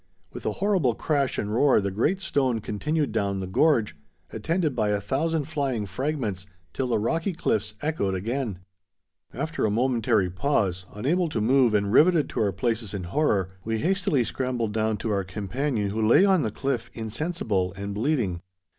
With a horrible crash and roar the great stone continued down the gorge, attended by a thousand flying fragments till the rocky cliffs echoed again. After a momentary pause, unable to move and riveted to our places in horror, we hastily scrambled down to our companion who lay on the cliff insensible and bleeding.